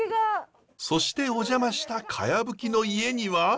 そしてお邪魔した茅葺きの家には。